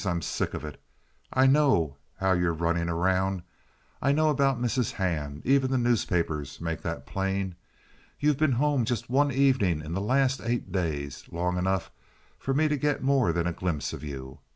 I'm sick of it. I know how you're running around. I know about Mrs. Hand. Even the newspapers make that plain. You've been home just one evening in the last eight days, long enough for me to get more than a glimpse of you.